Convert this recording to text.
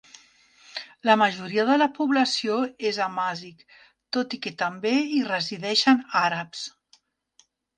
La majoria de la població és amazic, tot i que també hi resideixen àrabs.